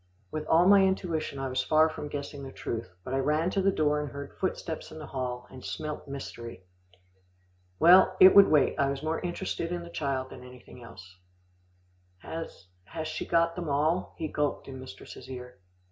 With all my intuition, I was far from guessing the truth, but I ran to the door and heard footsteps in the hall, and smelt mystery. Well! it would wait. I was more interested in the child than in anything else. "Has has she got them all?" he gulped in mistress's ear.